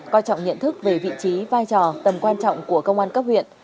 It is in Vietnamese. coi trọng nhận thức về vị trí vai trò tầm quan trọng của công an cấp huyện